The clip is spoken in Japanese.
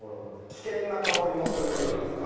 危険な香りもするといいますか。